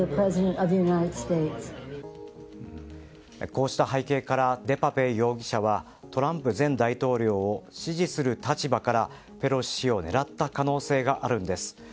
こうした背景からデパペ容疑者はトランプ前大統領を支持する立場からペロシ氏を狙った可能性があるんです。